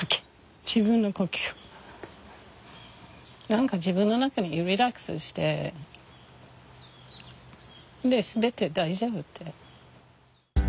何か自分の中にリラックスしてで全て大丈夫って。